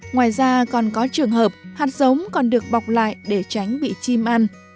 ngoài ra còn có trường hợp hạt giống còn được bọc lại để tránh bị chim ăn